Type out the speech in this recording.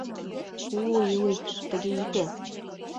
— Уй-уй, тыге ите!